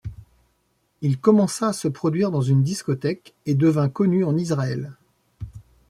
Il commença à se produire dans une discothèque et devint connu en Israël.